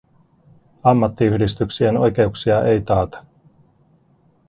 Ammattiyhdistyksien oikeuksia ei taata.